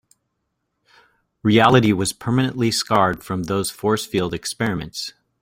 Reality was permanently scarred from those force field experiments.